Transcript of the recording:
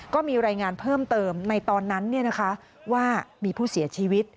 ก็มีรายงานเพิ่มเติมในตอนนั้นว่ามีผู้เสียชีวิต